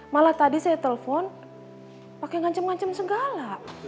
malah tadi saya telpon pakai ngancem ngancem segala